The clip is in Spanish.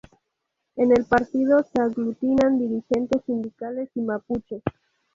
En el partido se aglutinan dirigentes sindicales y mapuches.